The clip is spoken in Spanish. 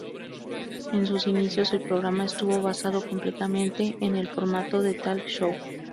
En sus inicios, el programa estuvo basado completamente en el formato de "talk show".